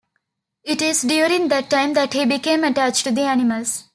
It is during that time that he became attached to animals.